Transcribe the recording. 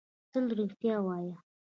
تل رېښتيا وايه